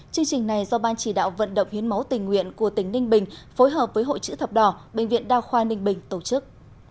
chương trình này do ban chỉ đạo vận động hiến máu tình nguyện của tỉnh ninh bình phối hợp với hội chữ thập đỏ bệnh viện đa khoa ninh bình tổ chức